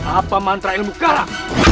apa mantra ilmu karam